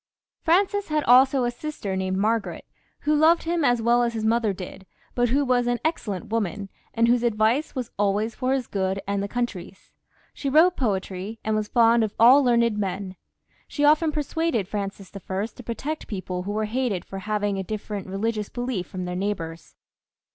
Francis had also a sister named Margaret, who lo"^ed him as well as his mother did, but who was an excellent woman, and whose advice was always for his good and the country's. She wrote poetry, and was fond of all learned men ; she often persuaded Francis I. to protect people who were hated for having a different religious belief from their neighbours.